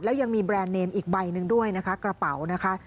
แล้วยังมีแบรนด์เนมอีกใบหนึ่งด้วยนะคะกระเป๋านะคะ